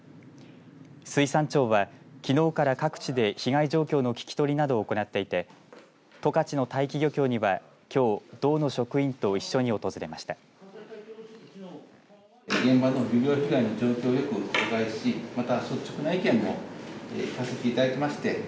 水産庁は、きのうから各地で被害状況の聞き取りなどを行っていて十勝の大樹漁協にはきょう、道の職員と一緒に訪れました。